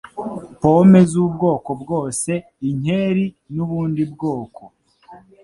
pome z’ubwoko bwose, inkeri, n’ubundi bwoko